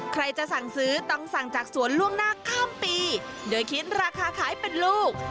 ใครจะสั่งซื้อต้องสั่งจากสวนล่วงหน้าข้ามปีโดยคิดราคาขายเป็นลูก